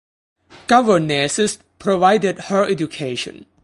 Governesses provided her education.